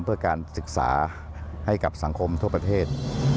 เพื่อการศึกษาให้กับสังคมทั่วประเทศ